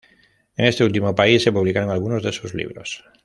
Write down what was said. En este último país se publicaron algunos de sus libros.